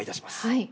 はい。